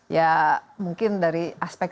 ya mungkin dari aspek